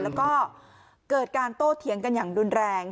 แล้วก็เกิดการโต้เถียงกันอย่างรุนแรง